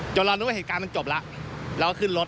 เรารู้ว่าเหตุการณ์มันจบแล้วเราก็ขึ้นรถ